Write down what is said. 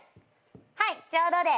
はいちょうどで。